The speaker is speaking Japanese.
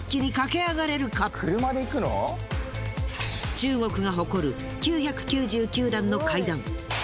中国が誇る９９９段の階段。